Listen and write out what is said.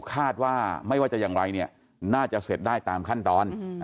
คาดว่าไม่ว่าจะอย่างไรเนี่ยน่าจะเสร็จได้ตามขั้นตอน